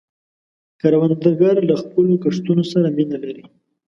کروندګر له خپلو کښتونو سره مینه لري